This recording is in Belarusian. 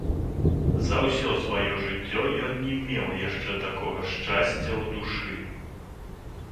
За ўсё сваё жыццё ён не меў яшчэ такога шчасця ў душы.